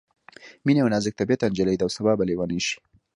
مينه یوه نازک طبعیته نجلۍ ده او سبا به ليونۍ شي